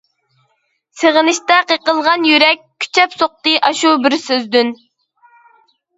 سېغىنىشتا قېقىلغان يۈرەك، كۈچەپ سوقتى ئاشۇ بىر سۆزدىن.